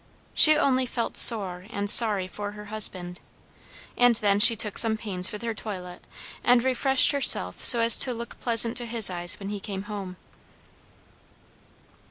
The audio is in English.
She only felt sore and sorry for her husband; and then she took some pains with her toilet, and refreshed herself so as to look pleasant to his eyes when he came home.